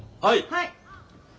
はい。